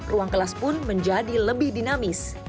ruang kelas pun menjadi lebih dinamis